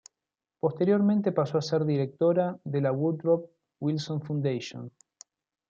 Posteriormente pasó a ser Directora de la Woodrow Wilson Foundation.